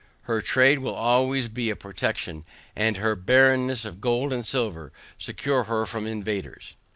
Her trade will always be a protection, and her barrenness of gold and silver secure her from invaders.